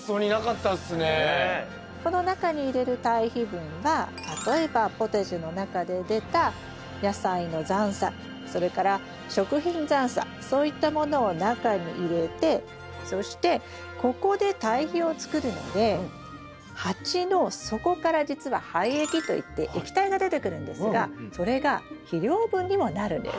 この中に入れる堆肥分は例えばポタジェの中で出た野菜の残それから食品残そういったものを中に入れてそしてここで堆肥をつくるので鉢の底からじつは廃液といって液体が出てくるんですがそれが肥料分にもなるんです。